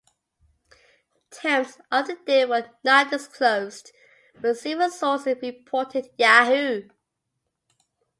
Terms of the deal were not disclosed, but several sources reported Yahoo!